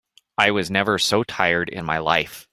I was never so tired in my life.